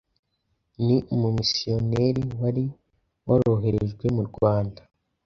ni umumisiyoneri wari waroherejwe mu rwanda